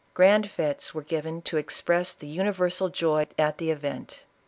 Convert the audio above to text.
Grand fetes were given to express the universal joy at the event.